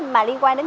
mà liên quan đến